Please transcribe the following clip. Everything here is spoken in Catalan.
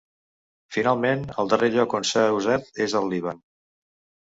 Finalment, el darrer lloc on s'han usat és al Líban.